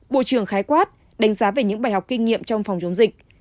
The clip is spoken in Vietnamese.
bộ trưởng khái quát đánh giá về những bài học kinh nghiệm trong phòng chống dịch